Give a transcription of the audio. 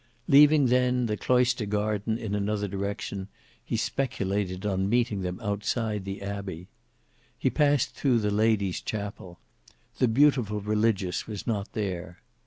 Leaving then the cloister garden in another direction, he speculated on meeting them outside the abbey. He passed through the Lady's chapel. The beautiful Religious was not there.